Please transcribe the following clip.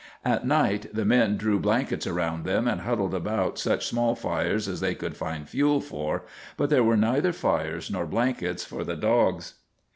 At night the men drew blankets around them and huddled about such small fires as they could find fuel for, but there were neither fires nor blankets for the dogs.